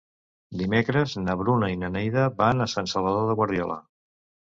Dimecres na Bruna i na Neida van a Sant Salvador de Guardiola.